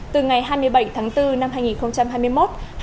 từ ngày hai mươi bảy tháng bốn năm hai nghìn hai mươi một